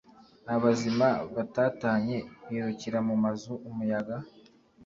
abazima batatanye, birukira mu mazu, umuyaga